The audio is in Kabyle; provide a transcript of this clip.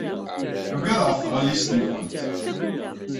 Tuggad ɣef tɣellist-nwent.